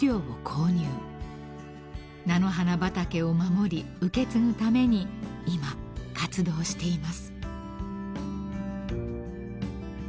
［菜の花畑を守り受け継ぐために今活動しています］